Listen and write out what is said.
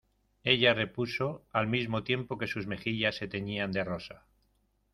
ella repuso, al mismo tiempo que sus mejillas se teñían de rosa: